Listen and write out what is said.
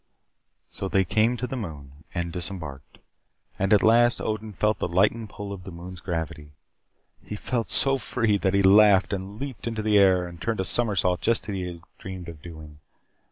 So they came to the moon, and disembarked. And at last Odin felt the lightened pull of the moon's gravity. He felt so free that he laughed and leaped into the air and turned a somersault just as he had dreamed of doing.